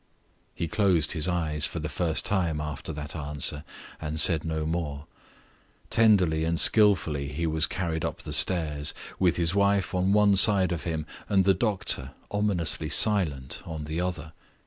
He closed his eyes for the first time after that answer, and said no more. Tenderly and skillfully he was carried up the stairs, with his wife on one side of him, and the doctor (ominously silent) on the other.